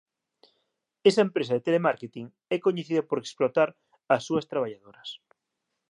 Esa empresa de telemárketing é coñecida por explotar as súas traballadoras